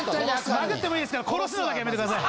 ・殴ってもいいですから殺すのだけやめてください・・